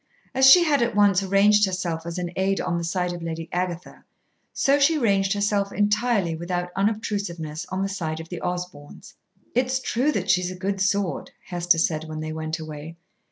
As she had at once ranged herself as an aid on the side of Lady Agatha, so she ranged herself entirely without obtrusiveness on the side of the Osborns. "It's true that she's a good sort," Hester said when they went away.